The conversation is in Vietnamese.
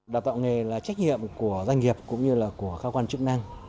đào tạo nghề là trách nhiệm của doanh nghiệp cũng như là của cơ quan chức năng